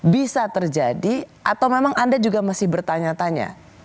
bisa terjadi atau memang anda juga masih bertanya tanya